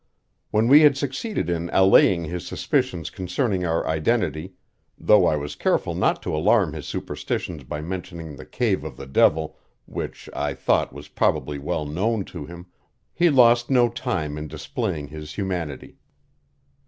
When we had succeeded in allaying his suspicions concerning our identity though I was careful not to alarm his superstitions by mentioning the cave of the devil, which, I thought, was probably well known to him he lost no time in displaying his humanity.